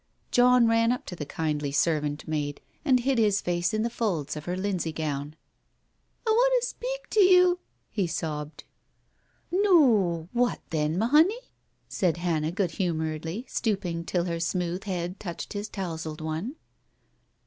John ran up to the kindly servant maid, and hid his face in the folds of her linsey gown. "I want to speak to you," he sobbed. "Noo, what then, ma honey?" said Hannah good humouredly, stooping, till her smooth head touched his touzled one.